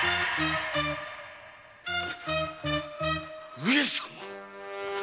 上様！